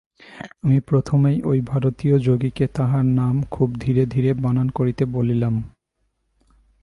আমি প্রথমেই ঐ ভারতীয় যোগীকে তাঁহার নাম খুব ধীরে ধীরে বানান করিতে বলিলাম।